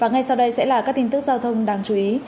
ngay sau đây sẽ là các tin tức giao thông đáng chú ý